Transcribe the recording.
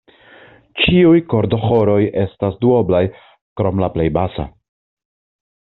Ĉiuj kordoĥoroj estas duoblaj, krom la plej basa.